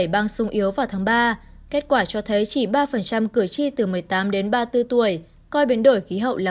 băng sung yếu vào tháng ba kết quả cho thấy chỉ ba cử tri từ một mươi tám đến ba mươi bốn tuổi coi biến đổi khí hậu là